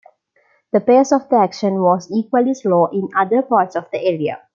The pace of the action was equally slow in other parts of the area.